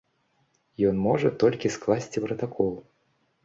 Ён можа толькі скласці пратакол.